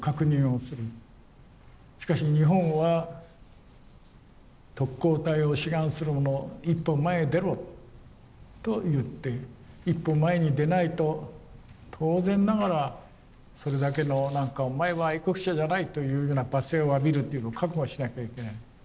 しかし日本は特攻隊を志願する者一歩前へ出ろと言って一歩前に出ないと当然ながらそれだけの何かお前は愛国者じゃないというような罵声を浴びるというのを覚悟しなきゃいけない。